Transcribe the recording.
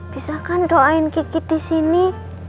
bisakah doain kiki di sini